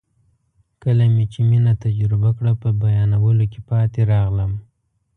کله مې چې مینه تجربه کړه په بیانولو کې پاتې راغلم.